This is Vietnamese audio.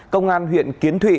công an huyện kiến thụy